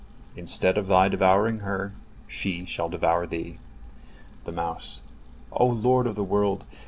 Instead of thy devouring her, she shall devour thee." The mouse: "O Lord of the world!